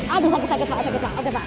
aduh sakit pak sakit pak